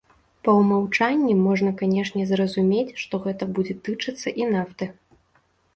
Па ўмаўчанні, можна, канешне, зразумець, што гэта будзе тычыцца і нафты.